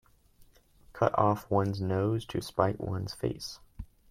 Cut off one's nose to spite one's face.